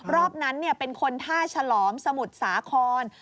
รอบนั้นเป็นคนท่าฉลอมสมุทรสาคร